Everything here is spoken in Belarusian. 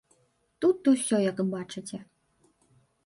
Тут усё, як бачыце.